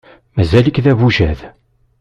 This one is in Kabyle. Mazal-ik d abujad.